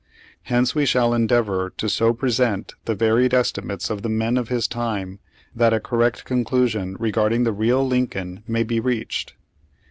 Hence we shall endeavor to so present the varied estimates of the men of his time, that a correct conclusion regard ing the real Lincoln may be reached.